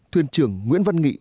thuyền trưởng nguyễn văn nghị